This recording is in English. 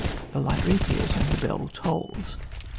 The light reappears and the bell tolls.